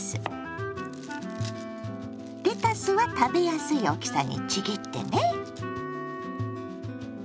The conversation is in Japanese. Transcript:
レタスは食べやすい大きさにちぎってね。